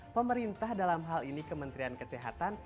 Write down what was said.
pemerintah dalam hal ini kementerian kesehatan